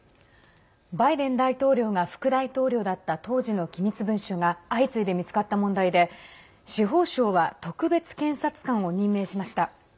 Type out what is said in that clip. バイデン大統領が副大統領だった当時の機密文書が相次いで見つかった問題で司法省は特別検察官を任命しました。